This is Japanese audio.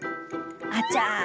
あちゃー！